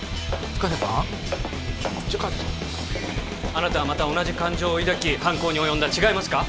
深瀬さんあなたはまた同じ感情を抱き犯行に及んだ違いますか？